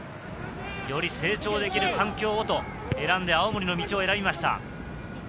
より成長できる環境をと選んで、青森の道を選びました。